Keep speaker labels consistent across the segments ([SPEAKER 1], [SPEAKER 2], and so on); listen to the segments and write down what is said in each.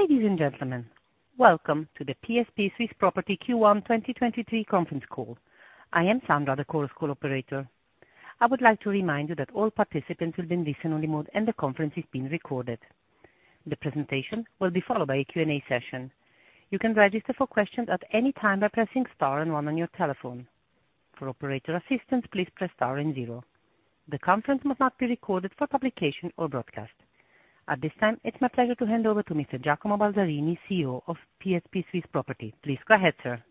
[SPEAKER 1] Ladies and gentlemen, welcome to the PSP Swiss Property Q1 2023 Conference Call. I am Sandra, the Chorus Call operator. I would like to remind you that all participants will be in listen only mode, and the conference is being recorded. The presentation will be followed by a Q&A session. You can register for questions at any time by pressing star and one on your telephone. For operator assistance, please press star and zero. The conference must not be recorded for publication or broadcast. At this time, it's my pleasure to hand over to Mr. Giacomo Balzarini, CEO of PSP Swiss Property. Please go ahead, sir.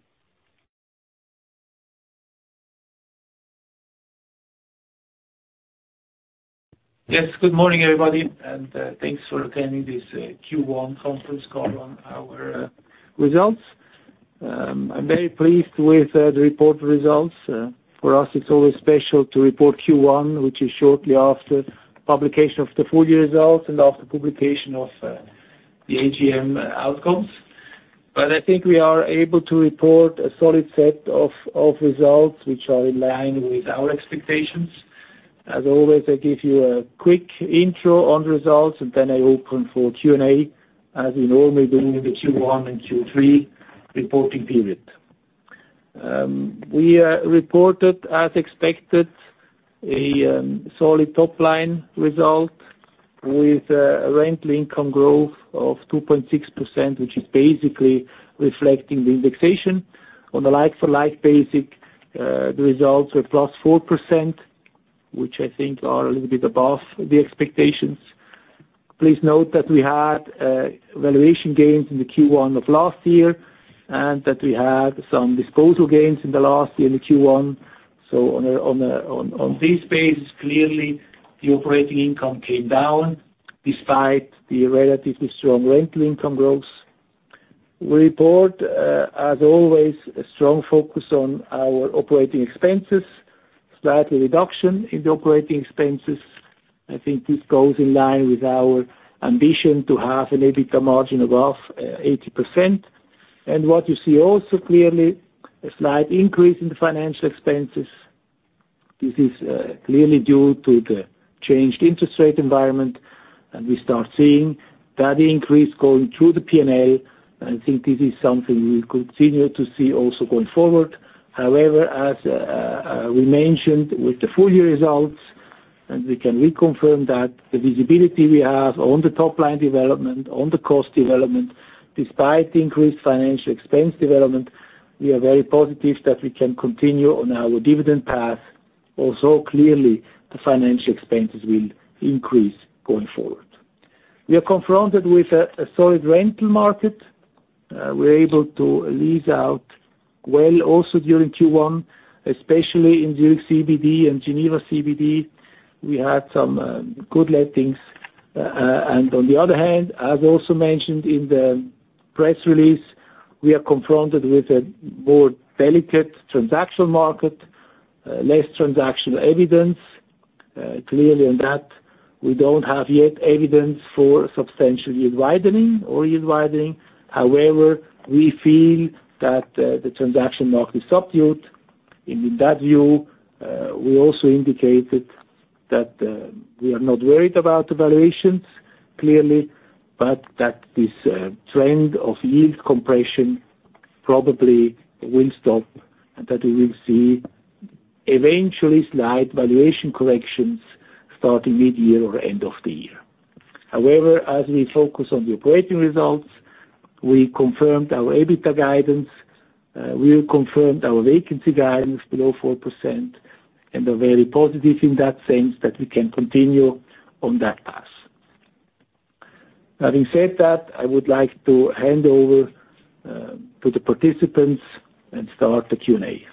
[SPEAKER 2] Yes, good morning, everybody, thanks for attending this Q1 conference call on our results. I'm very pleased with the reported results. For us, it's always special to report Q1, which is shortly after publication of the full year results and after publication of the AGM outcomes. I think we are able to report a solid set of results which are in line with our expectations. As always, I give you a quick intro on results, and then I open for Q&A, as we normally do in the Q1 and Q3 reporting period. We reported, as expected, a solid top line result with rental income growth of 2.6%, which is basically reflecting the indexation. On the like-for-like basic, the results were +4%, which I think are a little bit above the expectations. Please note that we had valuation gains in the Q1 of last year, and that we had some disposal gains in the Q1. On this basis, clearly the operating income came down despite the relatively strong rental income growth. We report, as always, a strong focus on our operating expenses, slight reduction in the operating expenses. I think this goes in line with our ambition to have an EBITDA margin above 80%. What you see also clearly, a slight increase in the financial expenses. This is clearly due to the changed interest rate environment, and we start seeing that increase going through the P&L. I think this is something we will continue to see also going forward. However, as we mentioned with the full year results, and we can reconfirm that the visibility we have on the top line development, on the cost development, despite the increased financial expense development, we are very positive that we can continue on our dividend path. Also, clearly the financial expenses will increase going forward. We are confronted with a solid rental market. We're able to lease out well also during Q1, especially in Zurich CBD and Geneva CBD. We had some good lettings. On the other hand, as also mentioned in the press release, we are confronted with a more delicate transactional market, less transactional evidence. Clearly on that we don't have yet evidence for substantial yield widening or yield widening. However, we feel that the transaction market is subdued. In that view, we also indicated that we are not worried about the valuations, clearly, but that this trend of yield compression probably will stop and that we will see eventually slight valuation corrections starting mid-year or end of the year. However, as we focus on the operating results, we confirmed our EBITDA guidance. We confirmed our vacancy guidance below 4% and are very positive in that sense that we can continue on that path. Having said that, I would like to hand over to the participants and start the Q&A.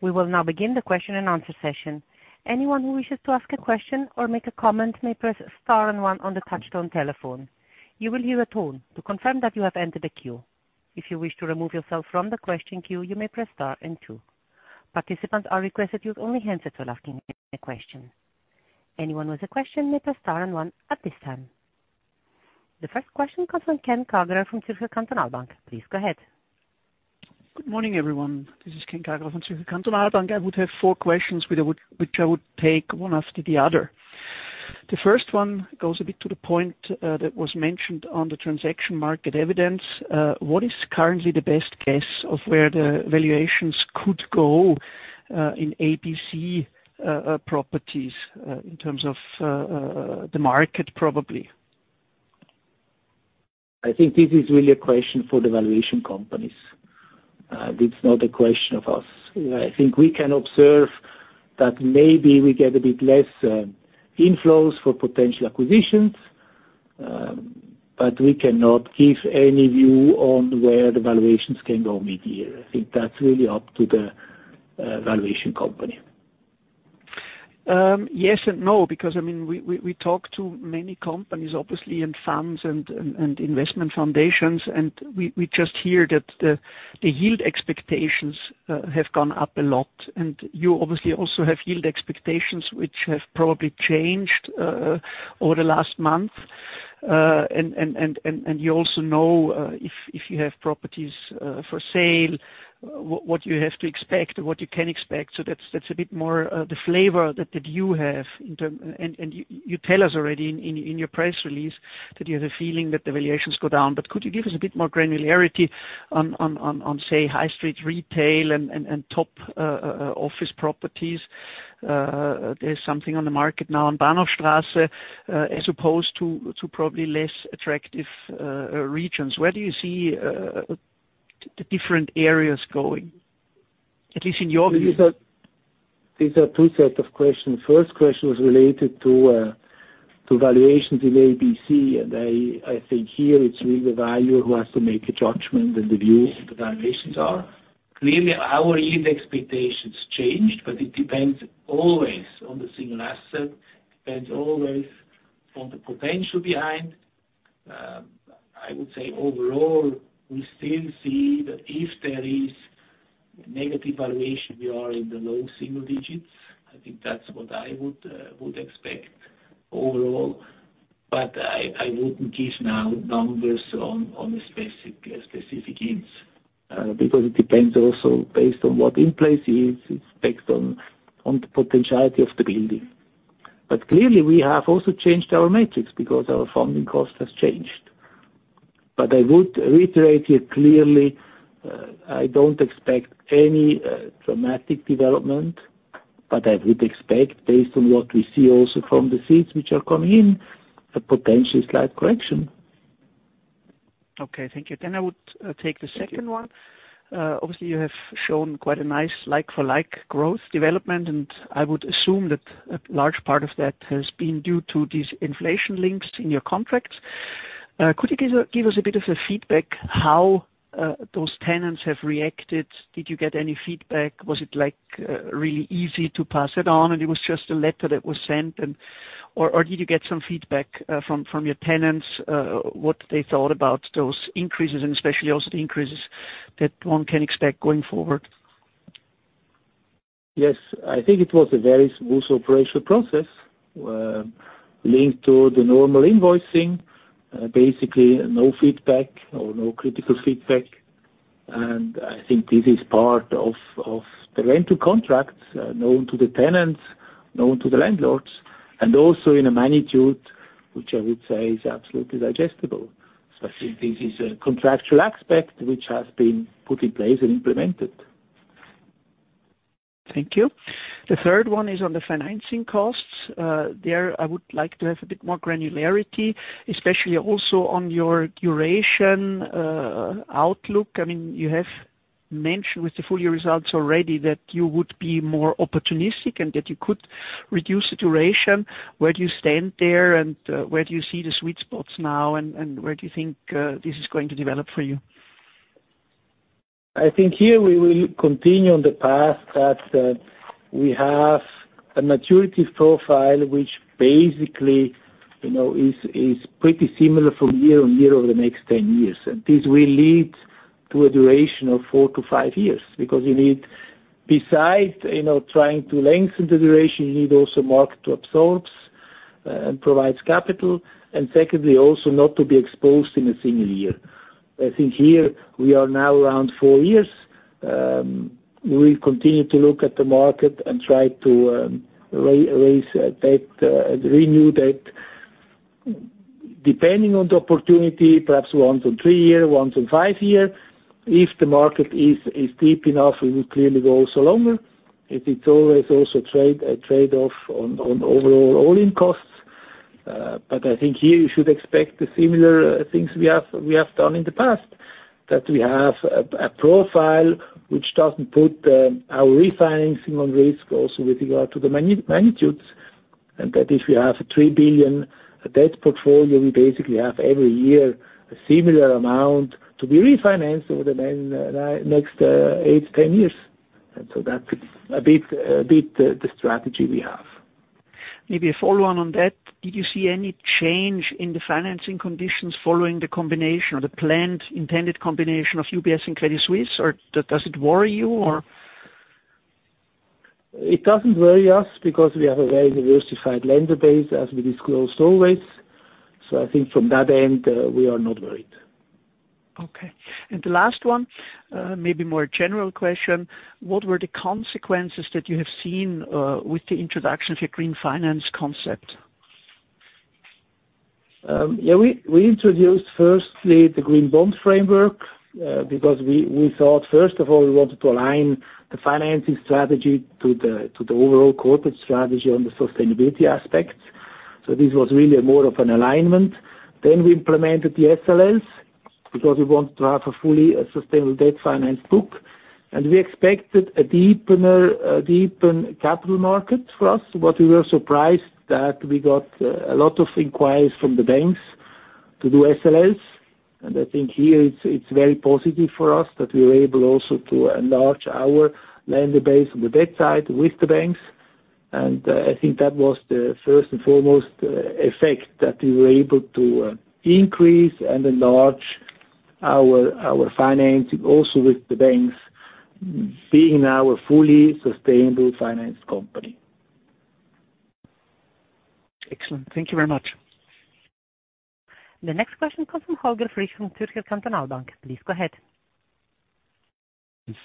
[SPEAKER 1] We will now begin the question and answer session. Anyone who wishes to ask a question or make a comment may press star and one on the touchtone telephone. You will hear a tone to confirm that you have entered the queue. If you wish to remove yourself from the question queue, you may press star and two. Participants are requested to only ask one question. Anyone with a question may press star and one at this time. The first question comes from Ken Kagerer from Zürcher Kantonalbank. Please go ahead.
[SPEAKER 3] Good morning, everyone. This is Ken Kagerer from Zürcher Kantonalbank. I would have four questions which I would take one after the other. The first one goes a bit to the point that was mentioned on the transaction market evidence. What is currently the best guess of where the valuations could go in ABC properties in terms of the market, probably?
[SPEAKER 2] I think this is really a question for the valuation companies. This is not a question of us. I think we can observe that maybe we get a bit less inflows for potential acquisitions. We cannot give any view on where the valuations can go mid-year. I think that's really up to the valuation company.
[SPEAKER 3] Yes and no, because, I mean, we talk to many companies, obviously, and funds and investment foundations, and we just hear that the yield expectations have gone up a lot. You obviously also have yield expectations, which have probably changed over the last month. You also know if you have properties for sale, what you have to expect or what you can expect. So that's a bit more the flavor that you have. You tell us already in your press release that you have a feeling that the valuations go down. Could you give us a bit more granularity on say, high street retail and top office properties? There's something on the market now on Bahnhofstrasse, as opposed to probably less attractive regions. Where do you see the different areas going, at least in your view?
[SPEAKER 2] These are 2 sets of questions. First question was related to valuations in ABC. I think here it's really the valuer who has to make a judgment and the view of the valuations are. Clearly, our yield expectations changed. It depends always on the single asset, depends always on the potential behind. I would say overall, we still see that if there is negative valuation, we are in the low single digits. I think that's what I would expect overall. I wouldn't give now numbers on the specific yields because it depends also based on what in place is. It's based on the potentiality of the building. Clearly, we have also changed our metrics because our funding cost has changed. I would reiterate here clearly, I don't expect any dramatic development, but I would expect based on what we see also from the feeds which are coming in, a potential slight correction.
[SPEAKER 3] Okay, thank you. I would take the second one.
[SPEAKER 2] Thank you.
[SPEAKER 3] Obviously you have shown quite a nice like-for-like growth development, and I would assume that a large part of that has been due to these inflation links in your contracts. Could you give us a bit of feedback how those tenants have reacted? Did you get any feedback? Was it like really easy to pass it on and it was just a letter that was sent? Or did you get some feedback from your tenants what they thought about those increases and especially also the increases that one can expect going forward?
[SPEAKER 2] Yes. I think it was a very smooth operational process, linked to the normal invoicing. Basically no feedback or no critical feedback. I think this is part of the rental contracts, known to the tenants, known to the landlords, and also in a magnitude which I would say is absolutely digestible, especially if this is a contractual aspect which has been put in place and implemented.
[SPEAKER 3] Thank you. The third one is on the financing costs. There, I would like to have a bit more granularity, especially also on your duration, outlook. I mean, you have mentioned with the full year results already that you would be more opportunistic and that you could reduce the duration. Where do you stand there, and where do you see the sweet spots now, and where do you think, this is going to develop for you?
[SPEAKER 2] I think here we will continue on the path that, we have a maturity profile which basically, you know, is pretty similar from year on year over the next 10 years. This will lead to a duration of four-five years, because you need, besides, you know, trying to lengthen the duration, you need also market to absorbs, and provides capital, and secondly, also not to be exposed in a single year. I think here we are now around four years. We'll continue to look at the market and try to, raise, debt, renew debt. Depending on the opportunity, perhaps once in three year, once in five year. If the market is deep enough, we will clearly go also longer. It is always also a trade-off on overall all-in costs. I think here you should expect the similar things we have done in the past, that we have a profile which doesn't put our refinancing on risk also with regard to the magnitudes. That if we have a 3 billion debt portfolio, we basically have every year a similar amount to be refinanced over the main next eight to 10 years. That's a bit the strategy we have.
[SPEAKER 3] Maybe a follow-on on that. Did you see any change in the financing conditions following the combination or the planned intended combination of UBS and Credit Suisse, or does it worry you or?
[SPEAKER 2] It doesn't worry us because we have a very diversified lender base as we disclosed always. I think from that end, we are not worried.
[SPEAKER 3] Okay. The last one, maybe more general question: What were the consequences that you have seen with the introduction to green finance approach?
[SPEAKER 2] We introduced firstly the Green Bond Framework because we thought, first of all, we wanted to align the financing strategy to the overall corporate strategy on the sustainability aspects. This was really more of an alignment. We implemented the SLS because we wanted to have a fully sustainable debt finance book, and we expected a deeper capital market for us. We were surprised that we got a lot of inquiries from the banks to do SLS. I think here it's very positive for us that we were able also to enlarge our lender base on the debt side with the banks. I think that was the first and foremost effect, that we were able to increase and enlarge our finance, also with the banks being our fully sustainable finance company.
[SPEAKER 3] Excellent. Thank you very much.
[SPEAKER 1] The next question comes from Holger Frisch from Zürcher Kantonalbank. Please go ahead.
[SPEAKER 4] Yes.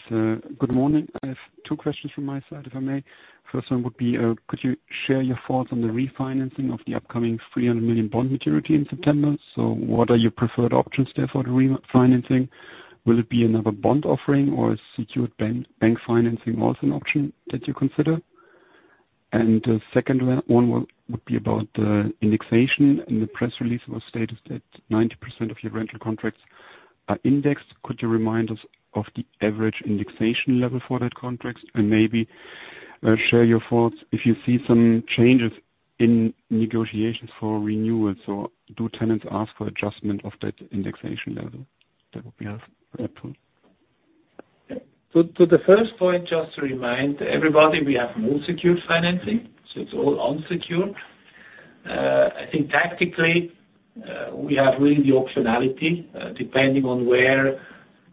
[SPEAKER 4] Good morning. I have two questions from my side, if I may. First one would be, could you share your thoughts on the refinancing of the upcoming 300 million bond maturity in September? What are your preferred options there for the refinancing? Will it be another bond offering or a secured bank financing was an option that you consider? The second one would be about the indexation. In the press release, it was stated that 90% of your rental contracts are indexed. Could you remind us of the average indexation level for that contracts and maybe, share your thoughts if you see some changes in negotiations for renewals, or do tenants ask for adjustment of that indexation level? That would be helpful.
[SPEAKER 2] To the first point, just to remind everybody, we have no secured financing, so it's all unsecured. I think tactically, we have really the optionality, depending on where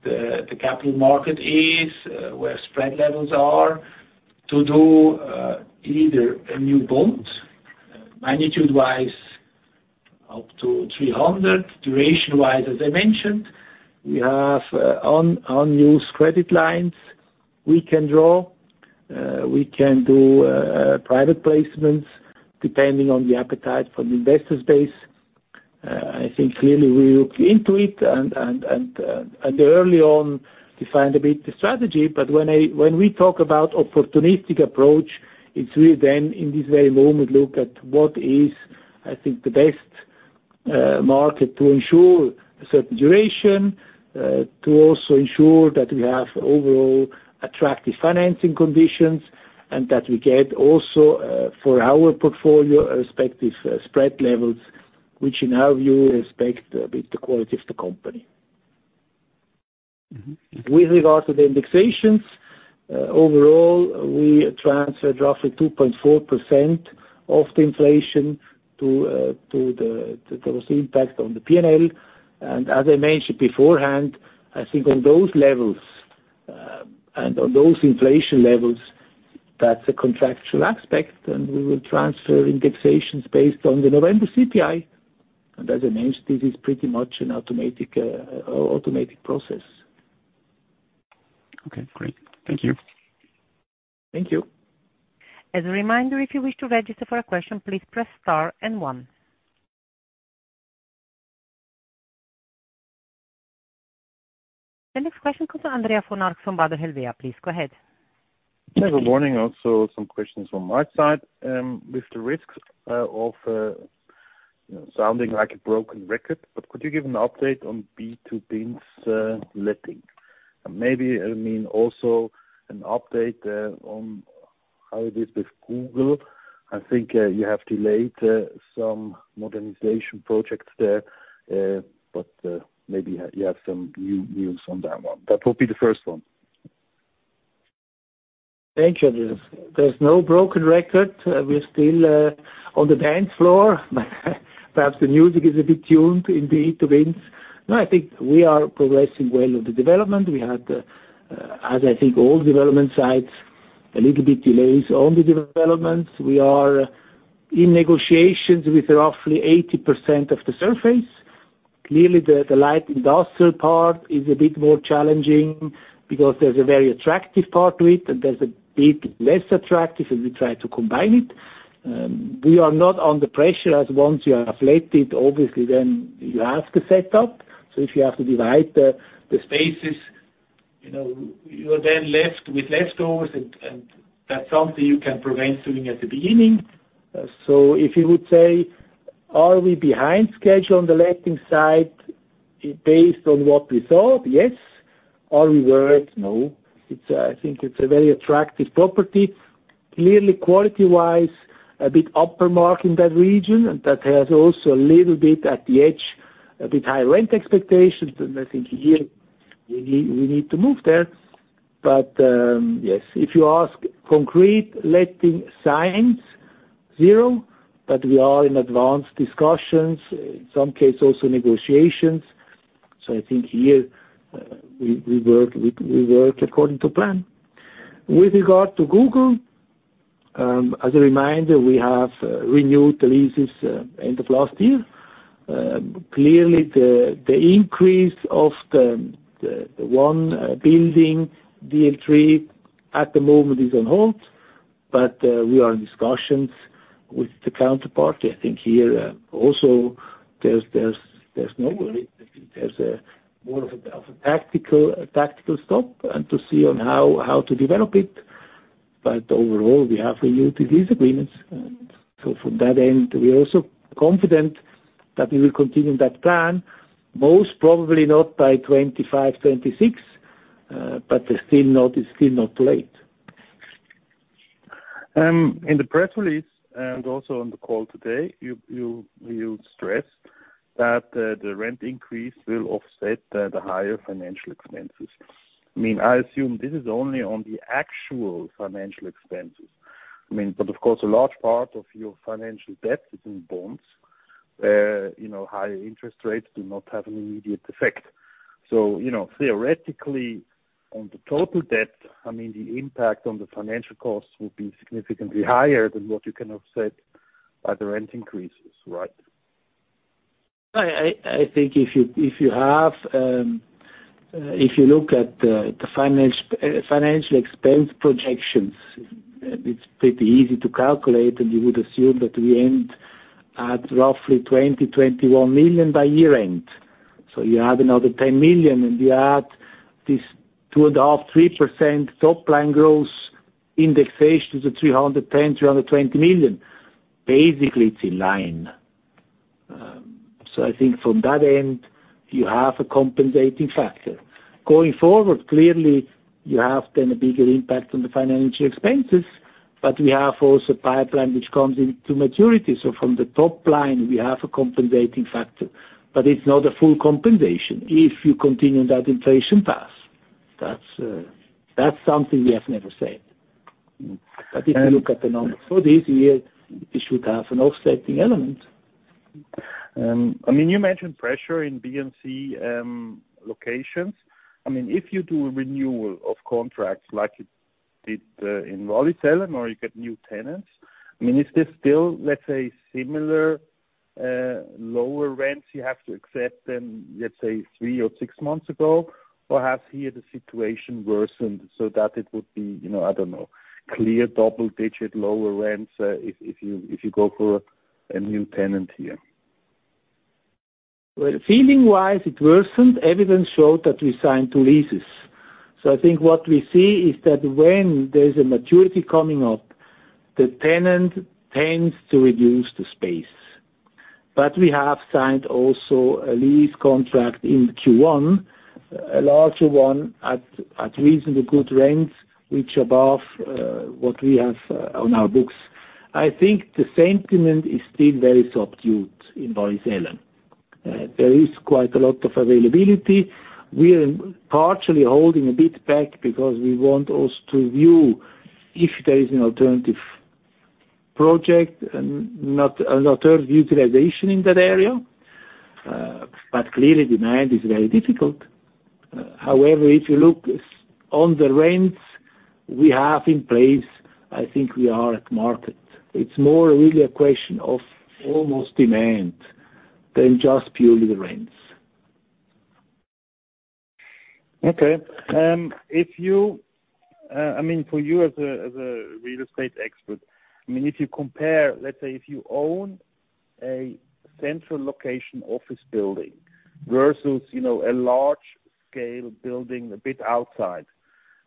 [SPEAKER 2] the capital market is, where spread levels are to do, either a new bond magnitude-wise, up to 300. Duration-wise, as I mentioned, we have unused credit lines we can draw. We can do, private placements depending on the appetite from the investor space. I think clearly we look into it and early on, defined a bit the strategy. When we talk about opportunistic approach, it's really then in this very moment, look at what is, I think, the best, market to ensure a certain duration. To also ensure that we have overall attractive financing conditions and that we get also, for our portfolio respective spread levels, which in our view respect a bit the quality of the company.
[SPEAKER 4] Mm-hmm.
[SPEAKER 2] With regard to the indexations, overall we transferred roughly 2.4% of the inflation to the impact on the P&L. As I mentioned beforehand, I think on those levels, and on those inflation levels, that's a contractual aspect, and we will transfer indexations based on the November CPI. As I mentioned, this is pretty much an automatic process.
[SPEAKER 4] Okay, great. Thank you.
[SPEAKER 2] Thank you.
[SPEAKER 1] As a reminder, if you wish to register for a question, please press star and one. The next question comes from Andrea Forni from Baader Helvea. Please go ahead.
[SPEAKER 5] Good morning. Some questions from my side. With the risks of sounding like a broken record, could you give an update on B2Binz letting. Maybe, I mean, also an update on how it is with Google. I think you have delayed some modernization projects there. Maybe you have some new news on that one. That will be the first one.
[SPEAKER 2] Thank you. There's no broken record. We're still on the dance floor. Perhaps the music is a bit tuned in the B2Binz. I think we are progressing well with the development. We had, as I think all development sites, a little bit delays on the developments. We are in negotiations with roughly 80% of the surface. Clearly, the light industrial part is a bit more challenging because there's a very attractive part to it, and there's a bit less attractive as we try to combine it. We are not under pressure, as once you are afflicted, obviously then you have to set up. If you have to divide the spaces, you know, you're then left with leftovers, and that's something you can prevent doing at the beginning. If you would say, are we behind schedule on the letting side based on what we saw? Yes. Are we worried? No. I think it's a very attractive property. Clearly quality-wise, a bit upper mark in that region. That has also a little bit at the edge, a bit high-rent expectations. I think here we need to move there. Yes, if you ask concrete letting signs, zero. We are in advanced discussions, in some cases also negotiations. I think here, we work according to plan. With regard to Google, as a reminder, we have renewed the leases end of last year. Clearly the increase of the one building DL3 at the moment is on hold. We are in discussions with the counterparty. I think here, also, there's no worry. I think there's more of a tactical stop and to see on how to develop it. Overall we have renewed these agreements. From that end, we're also confident that we will continue that plan, most probably not by 2025, 2026. Still not late.
[SPEAKER 5] In the press release and also on the call today, you stressed that the rent increase will offset the higher financial expenses. I mean, I assume this is only on the actual financial expenses. Of course, a large part of your financial debt is in bonds. You know, high interest rates do not have an immediate effect. You know, theoretically, on the total debt, I mean, the impact on the financial costs will be significantly higher than what you can offset by the rent increases, right?
[SPEAKER 2] I think if you have if you look at the financial expense projections, it's pretty easy to calculate, and you would assume that we end at roughly 20 million-21 million by year-end. You add another 10 million, and you add this 2.5%-3% top line growth indexation to the 310 million-320 million. Basically, it's in line. I think from that end, you have a compensating factor. Going forward, clearly, you have then a bigger impact on the financial expenses, but we have also pipeline which comes into maturity. From the top line, we have a compensating factor, but it's not a full compensation. If you continue that inflation path, that's something we have never said.
[SPEAKER 5] Mm.
[SPEAKER 2] If you look at the numbers for this year, it should have an offsetting element.
[SPEAKER 5] I mean, you mentioned pressure in BNC locations. I mean, if you do a renewal of contracts like you did in Wallisellen, or you get new tenants, I mean, is this still, let's say, similar, lower rents you have to accept than, let's say, three or six months ago? Has here the situation worsened so that it would be, you know, I don't know, clear double-digit lower rents, if you go for a new tenant here?
[SPEAKER 2] Well, feeling-wise, it worsened. Evidence showed that we signed two leases. I think what we see is that when there's a maturity coming up, the tenant tends to reduce the space. We have signed also a lease contract in Q1, a larger one at reasonably good rents, which above what we have on our books. I think the sentiment is still very subdued in Wallisellen. There is quite a lot of availability. We are partially holding a bit back because we want also to view if there is an alternative project and not another utilization in that area. Clearly demand is very difficult. If you look on the rents we have in place, I think we are at market. It's more really a question of almost demand than just purely the rents.
[SPEAKER 5] Okay. I mean, for you as a real estate expert, I mean, if you compare, let's say, if you own a central location office building versus, you know, a large scale building a bit outside,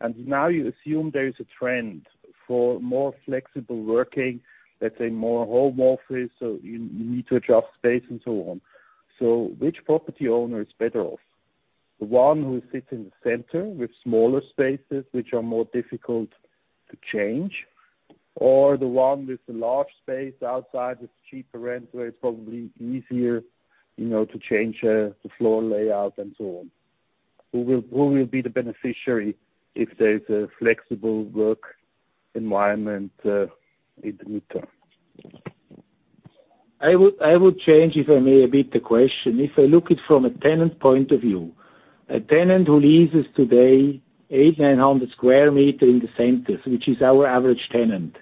[SPEAKER 5] and now you assume there is a trend for more flexible working, let's say more home office, you need to adjust space and so on. Which property owner is better off? The one who sits in the center with smaller spaces which are more difficult to change, or the one with the large space outside with cheaper rent, where it's probably easier, you know, to change the floor layout and so on? Who will be the beneficiary if there's a flexible work environment in the midterm?
[SPEAKER 2] I would change, if I may, a bit the question. If I look it from a tenant point of view, a tenant who leases today 8, 900 square meter in the centers, which is our average tenant,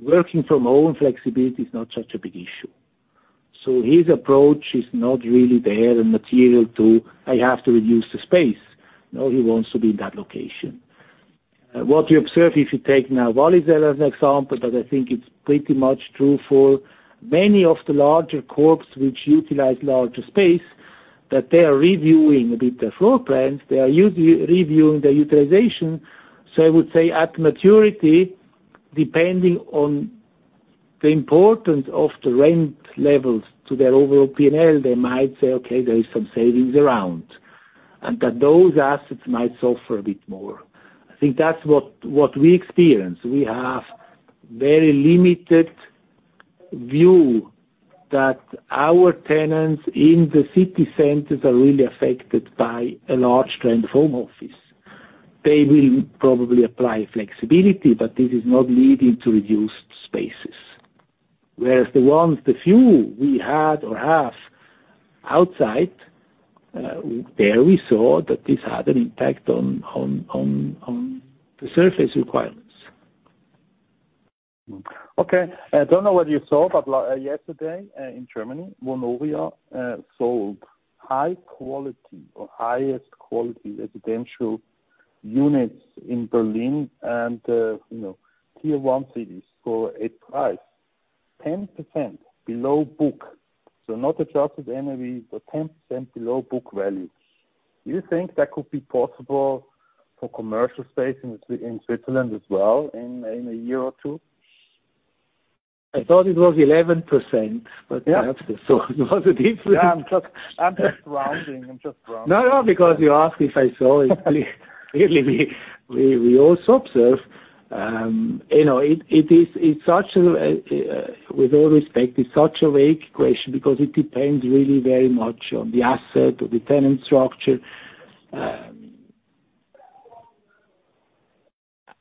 [SPEAKER 2] working from home flexibility is not such a big issue. His approach is not really there and material to, "I have to reduce the space." No, he wants to be in that location. What you observe if you take now Wallisellen as an example, but I think it's pretty much true for many of the larger corps which utilize larger space, that they are reviewing a bit their floor plans. They are reviewing their utilization. I would say at maturity, depending on the importance of the rent levels to their overall P&L, they might say, "Okay, there is some savings around." Those assets might suffer a bit more. I think that's what we experience. We have very limited view that our tenants in the city centers are really affected by a large trend home office. They will probably apply flexibility, but this is not leading to reduced spaces. Whereas the ones, the few we had or have outside, there we saw that this had an impact on the surface requirements.
[SPEAKER 5] Okay. I don't know whether you saw, but yesterday, in Germany, Vonovia sold high quality or highest quality residential units in Berlin and, you know, tier 1 cities for a price 10% below book. Not adjusted NAV, but 10% below book value. Do you think that could be possible for commercial space in Switzerland as well in 1 year or 2?
[SPEAKER 2] I thought it was 11%.
[SPEAKER 5] Yeah.
[SPEAKER 2] Perhaps it, so there was a difference.
[SPEAKER 5] Yeah. I'm just rounding.
[SPEAKER 2] No, no. You asked if I saw it. Really, we also observe, you know, it's such a, with all respect, it's such a vague question because it depends really very much on the asset or the tenant structure.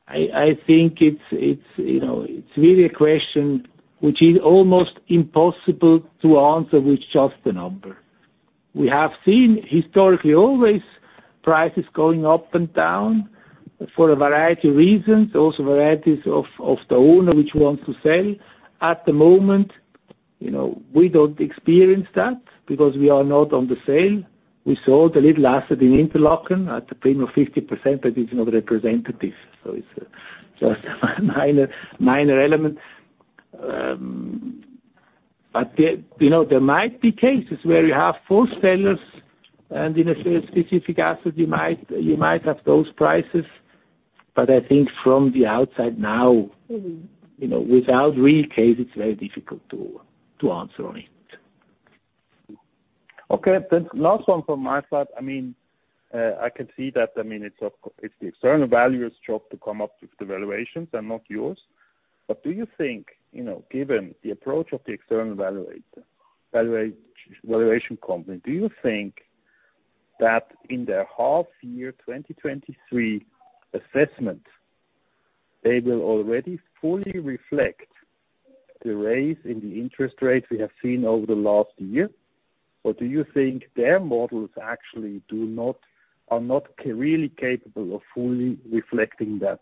[SPEAKER 2] I think it's, you know, it's really a question which is almost impossible to answer with just a number. We have seen historically always prices going up and down for a variety of reasons, also varieties of the owner which wants to sell. At the moment, you know, we don't experience that because we are not on the sale. We sold a little asset in Interlaken at a premium of 50%, it's not representative, it's a minor element. There, you know, there might be cases where you have four sellers, and in a specific asset you might have those prices. I think from the outside now, you know, without real case, it's very difficult to answer on it.
[SPEAKER 5] Okay. Last one from my side. I mean, I can see that, I mean, it's the external valuer's job to come up with the valuations and not yours. Do you think, you know, given the approach of the external valuation company, do you think that in their half year 2023 assessment, they will already fully reflect the raise in the interest rates we have seen over the last year? Do you think their models actually are not really capable of fully reflecting that?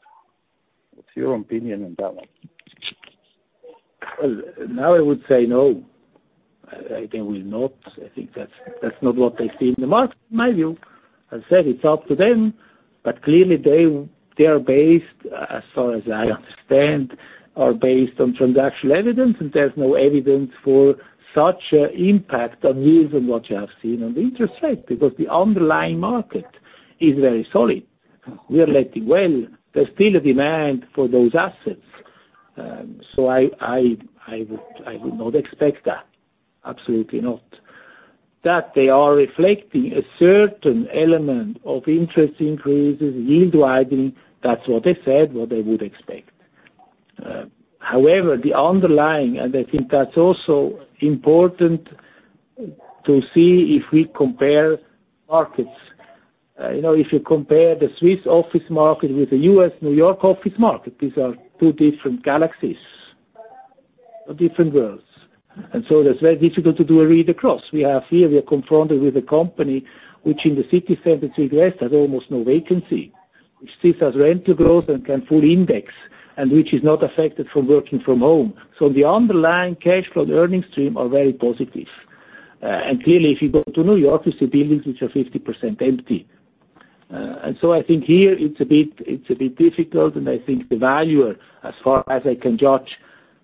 [SPEAKER 5] What's your opinion on that one?
[SPEAKER 2] Now I would say no. I think we not. I think that's not what they see in the market. In my view, I said it's up to them, but clearly they are based, as far as I understand, are based on transactional evidence, and there's no evidence for such impact on yields and what you have seen on the interest rate, because the underlying market is very solid. We are letting well. There's still a demand for those assets. I would not expect that. Absolutely not. That they are reflecting a certain element of interest increases, yield widening, that's what they said, what they would expect. The underlying, and I think that's also important to see if we compare markets. You know, if you compare the Swiss office market with the U.S. New York office market, these are two different galaxies or different worlds. That's very difficult to do a read across. We have here, we are confronted with a company which in the city center in Swiss has almost no vacancy, which still has rental growth and can fully index, and which is not affected from working from home. The underlying cash flow earnings stream are very positive. Clearly, if you go to New York, you see buildings which are 50% empty. I think here it's a bit difficult, and I think the valuer, as far as I can judge,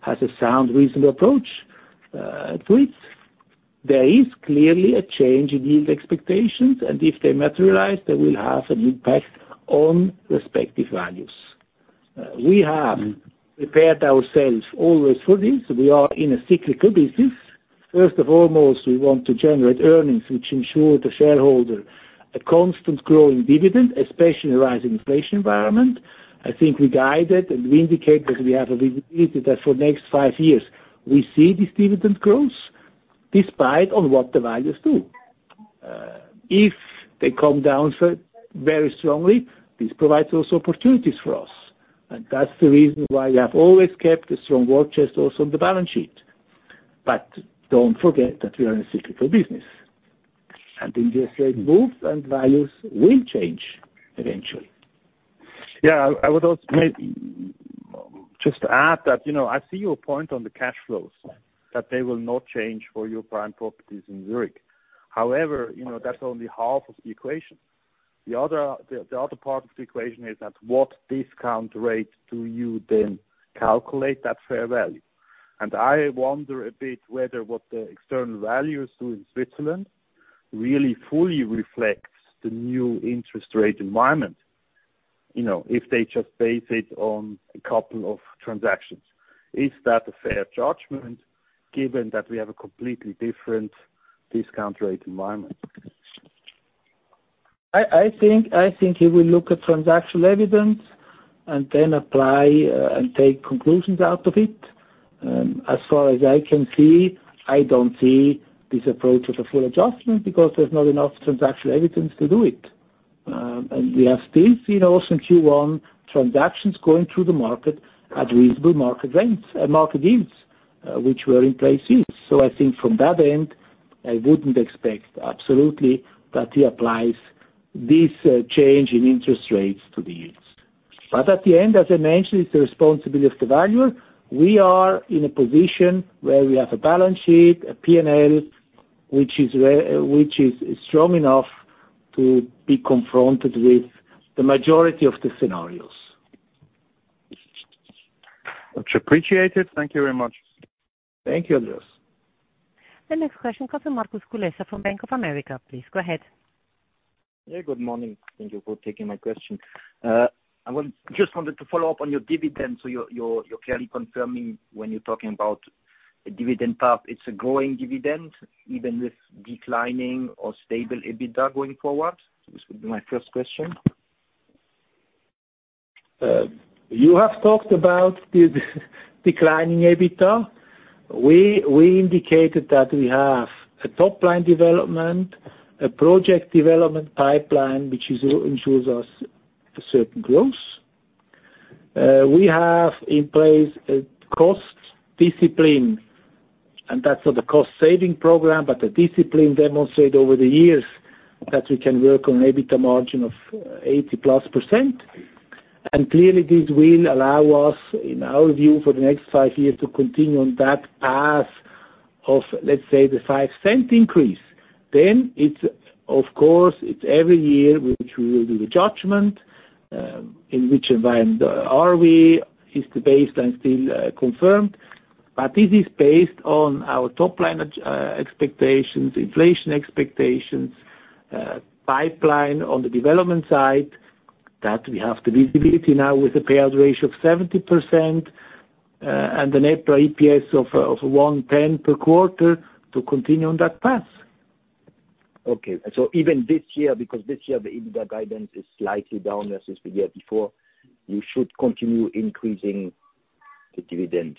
[SPEAKER 2] has a sound, reasonable approach to it. There is clearly a change in yield expectations, and if they materialize, they will have an impact on respective values. We have prepared ourselves always for this. We are in a cyclical business. First of all, most we want to generate earnings which ensure the shareholder a constant growing dividend, especially in a rising inflation environment. I think we guided and we indicate that we have a visibility that for next five years, we see this dividend growth despite on what the values do. If they come down so very strongly, this provides also opportunities for us. That's the reason why we have always kept a strong war chest also on the balance sheet. Don't forget that we are in a cyclical business. Interest rate moves and values will change eventually.
[SPEAKER 5] Yeah. I would also just add that, you know, I see your point on the cash flows, that they will not change for your prime properties in Zurich. You know, that's only half of the equation. The other part of the equation is that what discount rate do you then calculate that fair value? I wonder a bit whether what the external values do in Switzerland really fully reflects the new interest rate environment, you know, if they just base it on a couple of transactions. Is that a fair judgment, given that we have a completely different discount rate environment?
[SPEAKER 2] I think if we look at transactional evidence and then apply and take conclusions out of it, as far as I can see, I don't see this approach as a full adjustment because there's not enough transactional evidence to do it. We have still seen also in Q1 transactions going through the market at reasonable market rents and market yields, which were in place since. I think from that end, I wouldn't expect absolutely that he applies this change in interest rates to the yields. At the end, as I mentioned, it's the responsibility of the valuer. We are in a position where we have a balance sheet, a P&L, which is strong enough to be confronted with the majority of the scenarios.
[SPEAKER 6] Much appreciated. Thank you very much.
[SPEAKER 2] Thank you, Andreas.
[SPEAKER 1] The next question comes from Markus Kulessa from Bank of America, please go ahead.
[SPEAKER 7] Yeah, good morning. Thank you for taking my question. Just wanted to follow up on your dividend. You're clearly confirming when you're talking about a dividend path, it's a growing dividend, even with declining or stable EBITDA going forward. This would be my first question.
[SPEAKER 2] You have talked about the declining EBITDA. We indicated that we have a top-line development, a project development pipeline, which ensures us a certain growth. We have in place a cost discipline, and that's not a cost-saving program, but a discipline demonstrated over the years that we can work on EBITDA margin of 80%+. Clearly, this will allow us, in our view, for the next 5 years, to continue on that path of, let's say, the 0.05 increase. Of course, it's every year, which we will do the judgment, in which environment are we, is the baseline still confirmed? This is based on our top line expectations, inflation expectations, pipeline on the development side, that we have the visibility now with the payout ratio of 70%, and the NETP EPS of 1.10 per quarter to continue on that path.
[SPEAKER 7] Okay. Even this year, because this year the EBITDA guidance is slightly down versus the year before, you should continue increasing the dividend.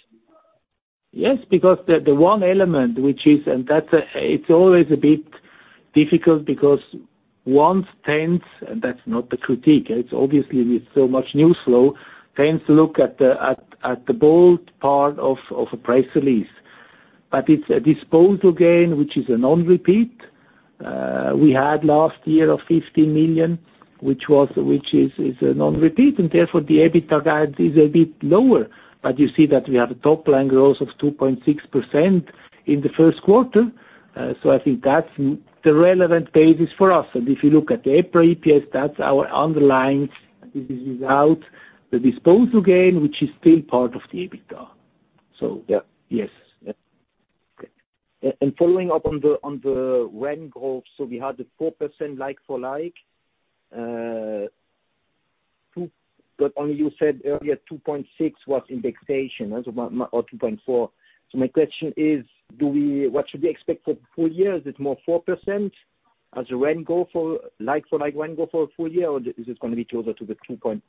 [SPEAKER 2] Yes, because the one element which is. That, it's always a bit difficult because one tends, and that's not a critique, it's obviously with so much news flow, tends to look at the bold part of a press release. It's a disposal gain, which is a non-repeat. We had last year of 50 million, which is a non-repeat, and therefore the EBITDA guide is a bit lower. You see that we have a top line growth of 2.6% in the first quarter. I think that's the relevant basis for us. If you look at the EPRA EPS, that's our underlying. This is without the disposal gain, which is still part of the EBITDA. Yes. Yeah.
[SPEAKER 7] Okay. Following up on the rent growth, we had the 4% like-for-like. Only you said earlier 2.6% was indexation or 2.4%. My question is, do we... What should we expect for full year? Is it more 4% as rent go for like-for-like rent go for a full year? Is this gonna be closer to the 2.4%,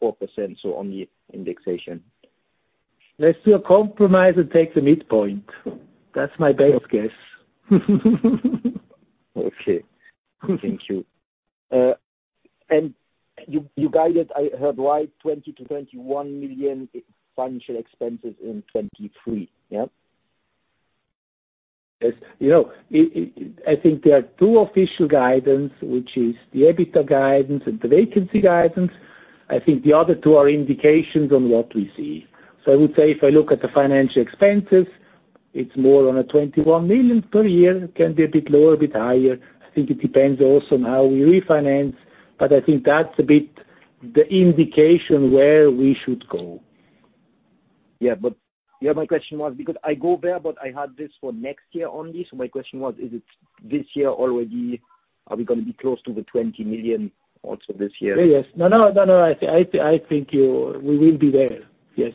[SPEAKER 7] on the indexation?
[SPEAKER 2] Let's do a compromise and take the midpoint. That's my best guess.
[SPEAKER 7] Okay. Thank you. You, you guided, I heard right, 20 million-21 million financial expenses in 2023, yeah?
[SPEAKER 2] Yes. You know, I think there are two official guidance, which is the EBITDA guidance and the vacancy guidance. I think the other two are indications on what we see. I would say if I look at the financial expenses, it's more on a 21 million per year. It can be a bit lower, a bit higher. I think it depends also on how we refinance, but I think that's a bit the indication where we should go.
[SPEAKER 7] Yeah. My question was because I go there, but I had this for next year only. My question was, is it this year already, are we gonna be close to the 20 million also this year?
[SPEAKER 2] Yes. No, no, no, I think we will be there. Yes.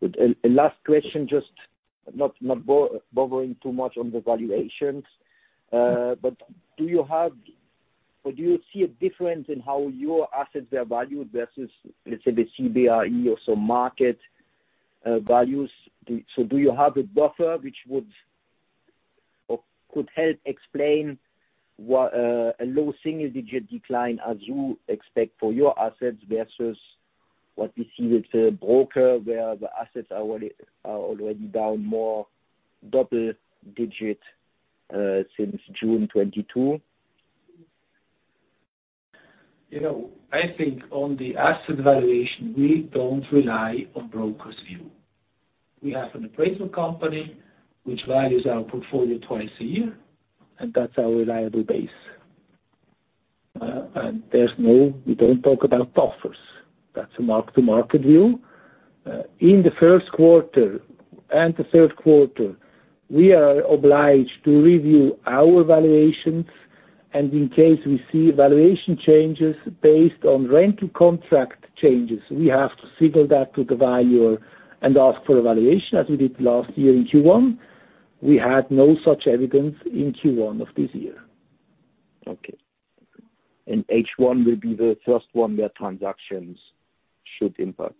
[SPEAKER 7] Good. Last question, just not bothering too much on the valuations, but do you have or do you see a difference in how your assets are valued versus, let's say, the CBRE or some market values? Do you have a buffer which would or could help explain what a low single-digit decline as you expect for your assets versus what we see with the broker, where the assets are already down more double digit since June 2022?
[SPEAKER 2] You know, I think on the asset valuation, we don't rely on brokers' view. We have an appraisal company which values our portfolio twice a year, and that's our reliable base. We don't talk about buffers. That's a mark-to-market view. In the first quarter and the third quarter, we are obliged to review our valuations, and in case we see valuation changes based on rental contract changes, we have to signal that to the valuer and ask for a valuation, as we did last year in Q1. We had no such evidence in Q1 of this year.
[SPEAKER 7] Okay. H1 will be the first one where transactions should impact.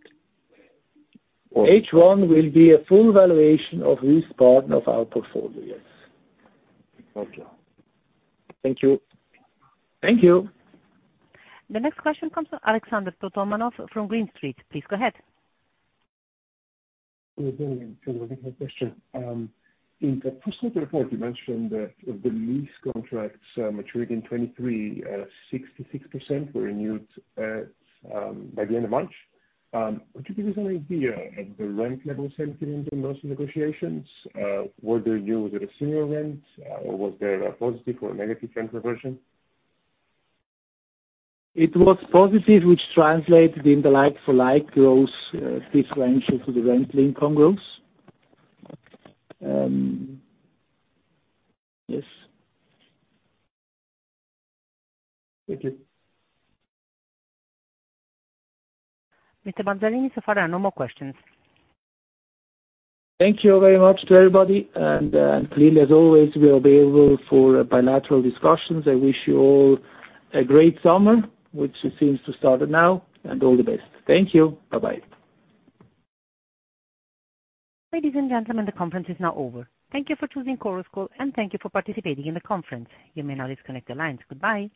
[SPEAKER 2] H1 will be a full valuation of this part of our portfolio, yes.
[SPEAKER 7] Okay. Thank you.
[SPEAKER 2] Thank you.
[SPEAKER 1] The next question comes from Alexander Totomanov from Green Street. Please go ahead.
[SPEAKER 8] Good morning. I think my question, in the first quarter report, you mentioned that of the lease contracts maturing in 2023, 66% were renewed by the end of March. Could you give us an idea of the rent levels entered into most negotiations? Were they renewed at a similar rent, or was there a positive or a negative trend reversion?
[SPEAKER 2] It was positive, which translated in the like-for-like growth, this range to the rental income growth. Yes.
[SPEAKER 8] Thank you.
[SPEAKER 1] Mr. Balzarini, so far there are no more questions.
[SPEAKER 2] Thank you very much to everybody. Clearly, as always, we are available for bilateral discussions. I wish you all a great summer, which seems to have started now, and all the best. Thank you. Bye-bye.
[SPEAKER 1] Ladies and gentlemen, the conference is now over. Thank you for choosing Chorus Call, and thank you for participating in the conference. You may now disconnect the lines. Goodbye.